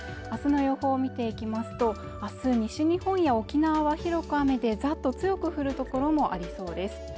あすの予報見ていきますと明日西日本や沖縄は広く雨でザッと強く降る所もありそうです